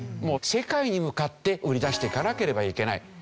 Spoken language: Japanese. もう世界に向かって売り出していかなければいけない。